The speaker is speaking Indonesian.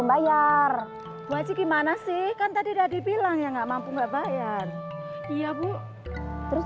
waalaikumsalam warahmatullahi wabarakatuh